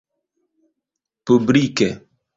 publike